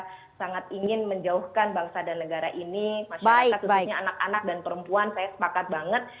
misalnya masyarakat sesungguhnya anak anak dan perempuan saya sepakat banget